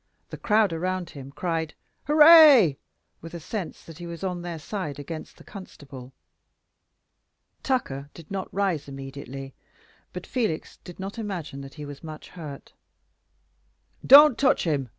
The crowd round him cried "Hurray!" with a sense that he was on their side against the constable. Tucker did not rise immediately; but Felix did not imagine that he was much hurt. "Don't touch him!"